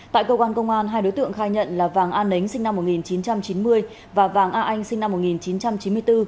tại cơ quan công an hai đối tượng khai nhận là vàng an nấy sinh năm một nghìn chín trăm chín mươi và vàng a anh sinh năm một nghìn chín trăm chín mươi bốn